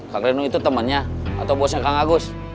kak reno itu temannya atau bosnya kang agus